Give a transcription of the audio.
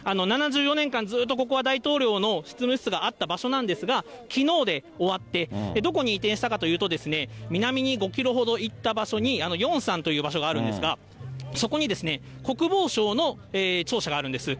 ７４年間、ずっとここは大統領の執務室があった場所なんですが、きのうで終わって、どこに移転したかというと、南に５キロほど行った所にヨンサンという場所があるんですが、そこに国防省の庁舎があるんです。